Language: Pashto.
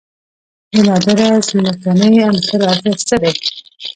د نادره ځمکنۍ عناصرو ارزښت څه دی؟